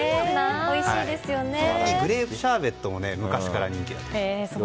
ちなみにグレープシャーベットも昔から人気だったんですよ。